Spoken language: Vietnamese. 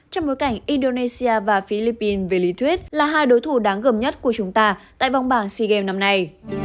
trong bối cảnh indonesia và philippines về lý thuyết là hai đối thủ đáng gờm nhất của chúng ta tại vòng bảng sea games năm nay